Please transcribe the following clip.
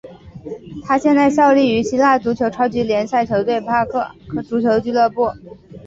他现在效力于希腊足球超级联赛球队帕奥克足球俱乐部。